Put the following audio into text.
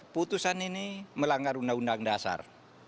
putusan ini melanggar undang undang dasar